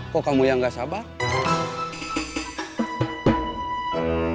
kok kamu yang gak sabar